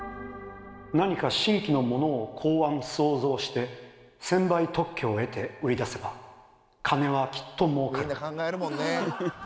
「何か新規のものを考案創造して専売特許を得て売り出せば金はきっと儲かる」。